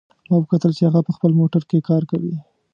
ما وکتل چې هغه په خپل موټر کې کار کوي